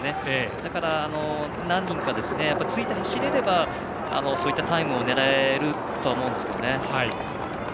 だから、何人かついて走れればそういったタイムを狙えるとは思うんですけどね。